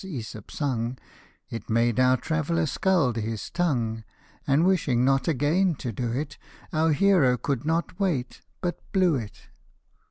ZEsop sung, It made our traveller scald his tongue ; And wishing not again to do it, Our hero could not wait, but blew it.